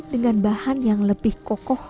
dengan bahan yang lebih kokoh